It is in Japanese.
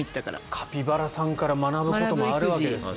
カピバラさんから学ぶこともあるわけですね。